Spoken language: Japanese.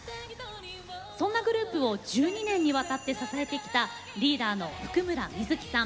そんなグループを１２年にわたって支えてきたリーダーの譜久村聖さん。